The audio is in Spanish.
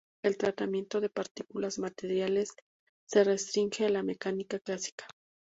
El tratamiento de partículas materiales se restringe a la mecánica clásica.